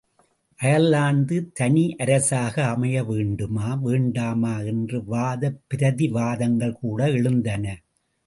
Ireland தனியரசாக அமையவேண்டுமா வேண்டாமா என்ற வாதப் பிரதிவாதங்கள் கூட எழுந்தன.